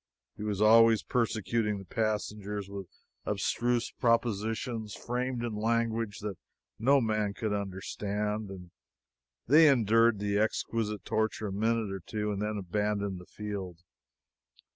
He was always persecuting the passengers with abstruse propositions framed in language that no man could understand, and they endured the exquisite torture a minute or two and then abandoned the field.